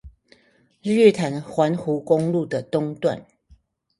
日月潭環湖公路的東段